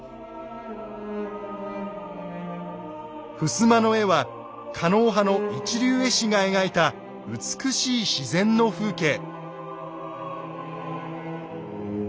ふすまの絵は狩野派の一流絵師が描いた美しい自然の風景。